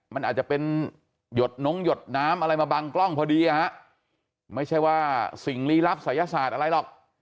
มันอาจจะเป็นหยดน้องหยดน้ำอะไรมาบังกล้องพอดีไม่ใช่ว่าสิ่งลี้ลับศัยศาสตร์อะไรหรอก